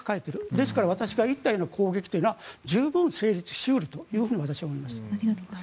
ですから私が言ったような攻撃というのは十分成立し得ると私は思います。